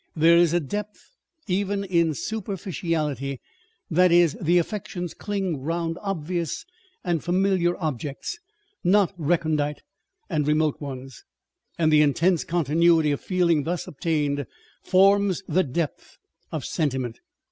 There is a depth even in super ficiality, that is, the affections cling round obvious and familiar objects, not recondite and remote ones ; and the intense continuity of feeling thus obtained, forms the depth of sentiment.